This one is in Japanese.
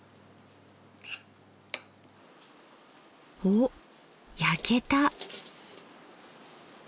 おっ焼けた！